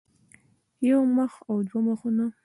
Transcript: يو مخ او دوه مخونه